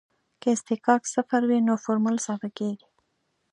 که اصطکاک صفر وي نو فورمول ساده کیږي